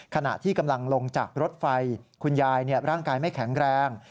ขณะที่กำลังลงจากรถไฟคุณยายร่างกายไม่แข็งแรง